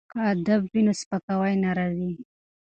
که ادب وي نو سپکاوی نه راځي.